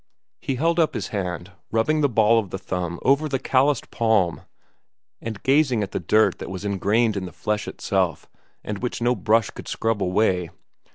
He held up his hand, rubbing the ball of the thumb over the calloused palm and gazing at the dirt that was ingrained in the flesh itself and which no brush could scrub away.